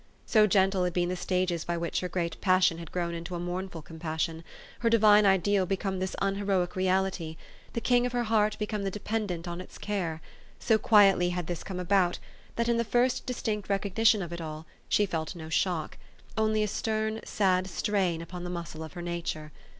So gentle had been the stages by which her great passion had grown into a mournful compassion, her divine ideal become this unheroic human THE STORY OF AVIS. 325 the king of her heart become the dependent on its care, so quietly this had come about, that, in the first distinct recognition of it all, she felt no shock ; only a stern, sad strain upon the muscle of her nature.